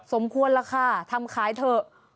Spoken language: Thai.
สมควรล่ะค่ะทำขายเถอะ